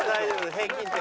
平均点。